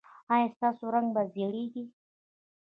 ایا ستاسو رنګ به زیړیږي؟